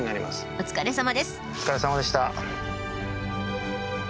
お疲れさまでした。